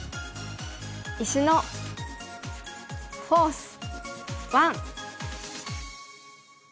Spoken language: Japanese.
「石のフォース１」。